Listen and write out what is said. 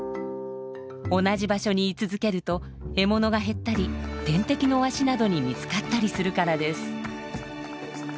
同じ場所に居続けると獲物が減ったり天敵のワシなどに見つかったりするからです。